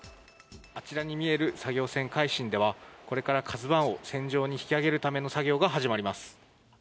あちらに見える作業船海進では、これからＫＡＺＵＩを船上に引き揚げるための作業が始まります。